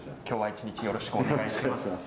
今日は一日よろしくお願いします。